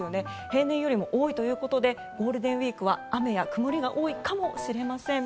平年よりも多いということでゴールデンウィークは雨や曇りが多いかもしれません。